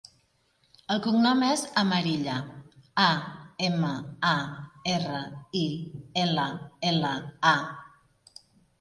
El cognom és Amarilla: a, ema, a, erra, i, ela, ela, a.